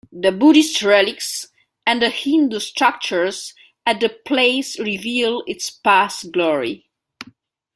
The Buddhist relics and the Hindu structures at the place reveal its past glory.